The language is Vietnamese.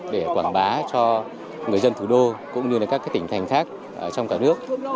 để quảng bá cho người dân thủ đô cũng như các tỉnh thành khác trong cả nước